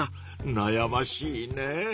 なやましいね。